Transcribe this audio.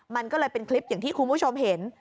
มันก็เลยเป็นคลิปอย่างที่คุณผู้ชมเห็น